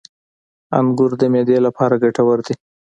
• انګور د معدې لپاره ګټور دي.